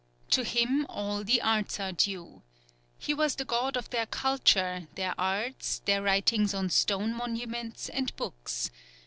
To him all the arts are due. He was the god of their culture, their arts, their writings on stone monuments and books.